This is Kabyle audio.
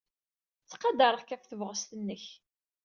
Ttqadareɣ-k ɣef tebɣest-nnek.